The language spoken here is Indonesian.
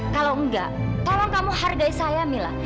kalau enggak tolong kamu hargai saya mila